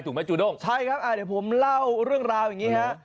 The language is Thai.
ไหมจูด้งใช่ครับอ่าเดี๋ยวผมเล่าเรื่องราวอย่างนี้ฮะ